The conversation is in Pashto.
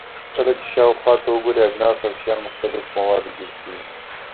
کله چې شاوخوا ته وګورئ، اجناس او شیان له مختلفو موادو جوړ شوي دي.